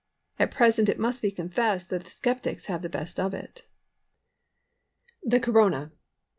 At present it must be confessed that the sceptics have the best of it. THE CORONA.